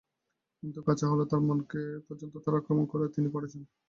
কিন্তু কাঁচা হলে তাঁর মনকে পর্যন্ত তারা আক্রমণ করে, তিনি পড়ে যান।